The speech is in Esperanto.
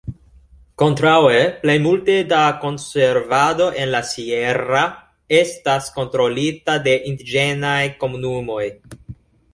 Kontraŭe, plejmulte da konservado en la Sierra estas kontrolita de indiĝenaj komunumoj.